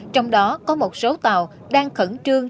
trong đó có một số tàu đang khẩn trương